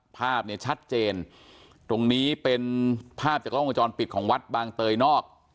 ภาพเนี่ยชัดเจนตรงนี้เป็นภาพจากกล้องวงจรปิดของวัดบางเตยนอก